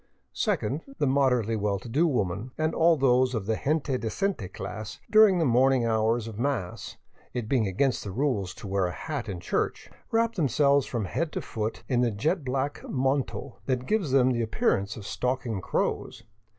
Second: The moderately well to do woman — and all those of the " gente decente " class during the morning hours of mass ; it being against the rules to wear a hat in church — wrap them selves from head to foot in the jet black manto that gives them the ap pearance of stalking crows.